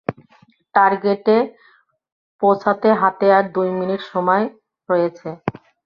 টার্গেটে পৌঁছাতে হাতে আর দুই মিনিট সময় রয়েছে।